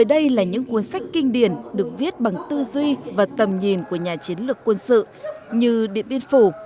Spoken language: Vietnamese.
đây là những cuốn sách kinh điển được viết bằng tư duy và tầm nhìn của nhà chiến lược quân sự như điện biên phủ